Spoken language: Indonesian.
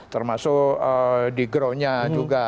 termasuk di groundnya juga